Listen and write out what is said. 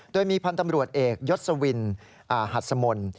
โดยมีพันธ์ตำรวจเอกยศวินหัสมนต์